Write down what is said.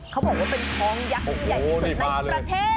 เขาบอกว่าเป็นท้องยักษ์ที่ใหญ่ที่สุดในประเทศ